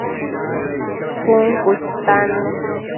Cun cu istannu